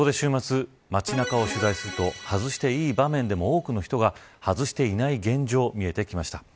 そこで週末、街中を取材すると外していい場面でも多くの人が外していない現状見えてきました。